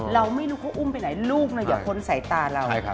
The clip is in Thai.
เราไม่รู้เขาอุ้มไปไหนลูกอย่าพ้นสายตาเรา